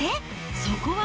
そこは。